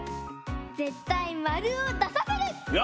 ぜったいまるをださせる！